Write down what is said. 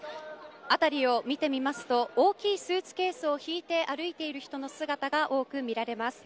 辺りを見てみますと大きいスーツケースを引いて歩いている人の姿が多く見られます。